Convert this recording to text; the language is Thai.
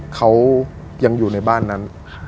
เขายังอยู่ในบ้านนั้น